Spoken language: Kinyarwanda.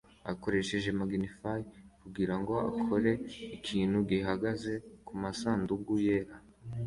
akoresheje magnifier kugirango akore ikintu gihagaze kumasanduku yera